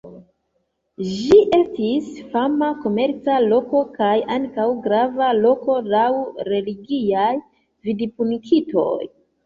Ĝi estis fama komerca loko kaj ankaŭ grava loko laŭ religiaj vidpunktoj.